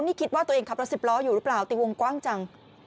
นี่คิดว่าตัวเองขับรถสิบล้ออยู่หรือเปล่าตีวงกว้างจัง